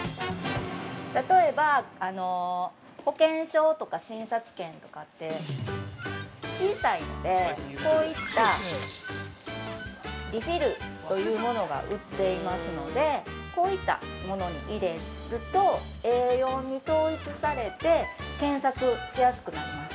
◆例えば、保険証とか診察券とかって小さいので、こういったリフィルというものが売っていますので、こういったものに入れるとＡ４に統一されて、検索しやすくなります。